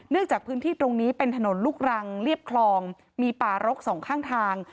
จากพื้นที่ตรงนี้เป็นถนนลูกรังเรียบคลองมีป่ารกสองข้างทาง